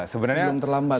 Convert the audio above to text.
segera ya sebelum terlambat ya